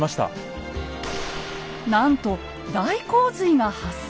なんと大洪水が発生。